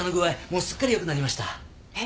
もうすっかりよくなりました。